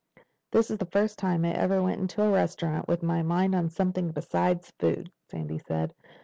"This is the first time I ever went into a restaurant with my mind on something besides food," Sandy said.